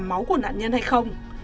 máu của nạn nhân hay không